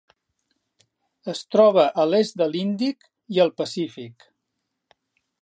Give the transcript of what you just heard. Es troba a l'est de l'Índic i al Pacífic.